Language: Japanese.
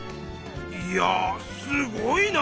いやすごいな！